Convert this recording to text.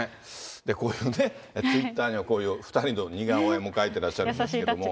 こういうね、ツイッターには、こういう２人の似顔絵も描いてらっしゃるんですけども。